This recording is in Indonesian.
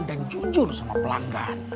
dan jujur sama pelanggan